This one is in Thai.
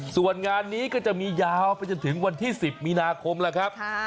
ส่วนงานนี้ก็จะมียาวไปจนถึงวันที่๑๐มีนาคมแล้วครับ